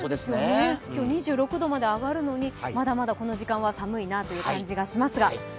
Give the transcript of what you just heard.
今日２６度まで上がるんですが、まだまだこの時間は寒いなという感じですが。